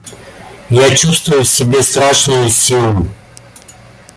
Я чувствую в себе страшную силу.